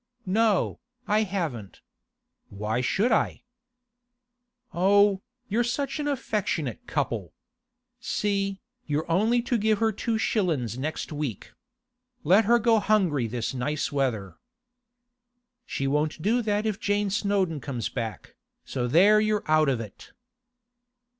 'No, I haven't. Why should I?' 'Oh, you're such a affectionate couple! See, you're only to give her two shillin's next week. Let her go hungry this nice weather.' 'She won't do that if Jane Snowdon comes back, so there you're out of it!